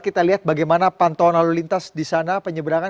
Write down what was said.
kita lihat bagaimana pantauan lalu lintas di sana penyeberangan